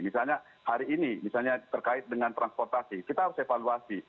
misalnya hari ini misalnya terkait dengan transportasi kita harus evaluasi